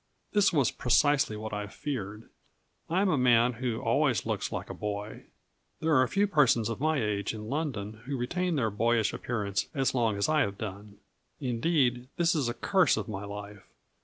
This was precisely what I feared. I am a man who always looks like a boy. There are few persons of my age in London who retain their boyish appearance as long as I have done; indeed, this is the curse of my life.